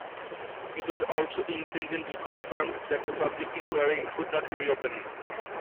It was also independently confirmed that the public inquiry would not reopen.